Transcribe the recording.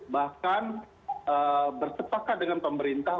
bahkan bertepakah dengan pemerintah